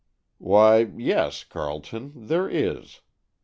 "Why, yes, Carleton; there is.